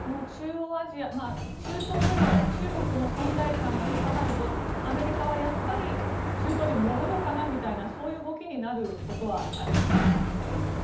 中東での中国の存在感が高まると、アメリカはやっぱり中東に戻ろうかなみたいなそういう動きになることはありますか。